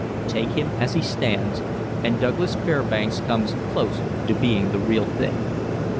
Take him as he stands, and Douglas Fairbanks comes close to being the "real thing."